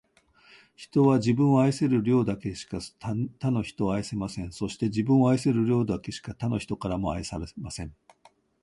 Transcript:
人は、自分を愛せる量だけしか、他の人を愛せません。そして、自分を愛せる量だけしか、他の人からも愛されません。